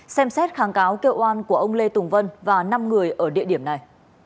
xem xét kháng cáo kêu oan của ông lê tùng vân và năm người ở địa điểm này